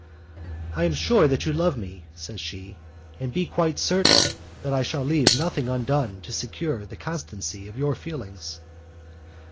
"I am sure that you love me," says she, "and be quite certain that I shall leave nothing undone to secure the constancy of your feelings."